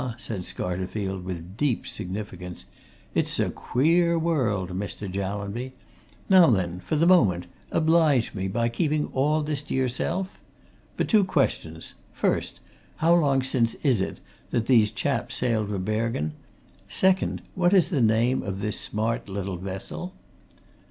said Scarterfield, with deep significance. "It's a queer world, Mr. Jallanby. Now then, for the moment, oblige me by keeping all this to yourself. But two questions first, how long since is it that these chaps sailed for Bergen; second, what is the name of this smart little vessel?"